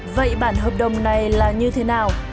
vậy bảng hợp đồng này là như thế nào